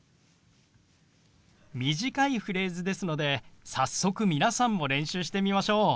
短いフレーズですので早速皆さんも練習してみましょう。